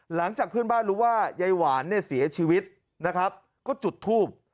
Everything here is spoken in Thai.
หลังจากเพื่อนบ้านรู้ว่ายายหวานเนี่ยเสียชีวิตนะครับก็จุดทูบ